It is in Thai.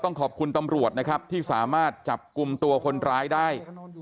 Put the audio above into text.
ขอบคุณตำรวจนะครับที่สามารถจับกลุ่มตัวคนร้ายได้